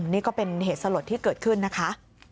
นี่ก็เป็นเหตุสลดที่เกิดขึ้นนะคะ